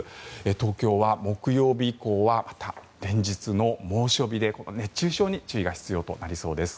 東京は木曜日以降はまた連日の猛暑日で熱中症に注意が必要となりそうです。